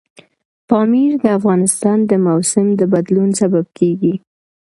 پامیر د افغانستان د موسم د بدلون سبب کېږي.